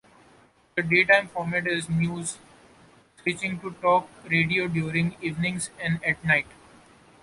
Its daytime format is news, switching to talk radio during evenings and at night.